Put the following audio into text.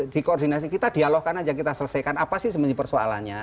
dikoordinasi kita dialogkan aja kita selesaikan apa sih persoalannya